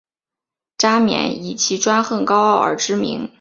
渣甸以其专横高傲而知名。